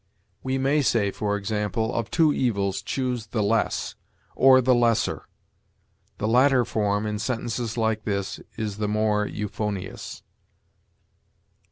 We may say, for example, "Of two evils choose the less," or "the lesser." The latter form, in sentences like this, is the more euphonious.